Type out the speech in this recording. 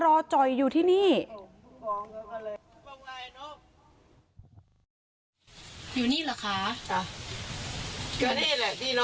ก็นี่แหละที่นอนเขานี่